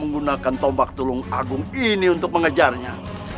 menggunakan tombak tulung agung ini untuk mengejarnya